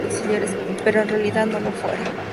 Pero en realidad no lo fuera.